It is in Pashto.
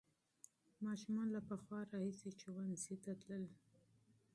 ماشومان له پخوا راهیسې ښوونځي ته تلل.